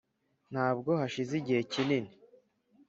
ntabwo hashize igihe kinini,